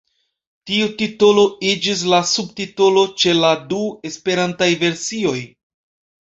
Tiu titolo iĝis la subtitolo ĉe la du esperantaj versioj.